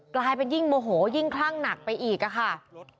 กลายเป็นยิ่งโมโหยิ่งคลั่งหนักไปอีกอะค่ะ